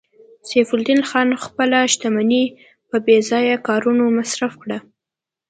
سیف الدین خان خپله شتمني په بې ځایه کارونو مصرف کړه